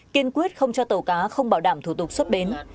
kiên quyết không cho tàu cá không bảo đảm thủ tục xuất bến